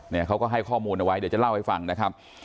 เขาก็ให้ข้อมูลเอาไว้เดี๋ยวจะเล่าให้ฟังนะครับ